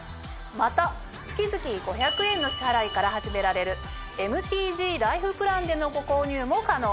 また月々５００円の支払いから始められるＭＴＧライフプランでのご購入も可能。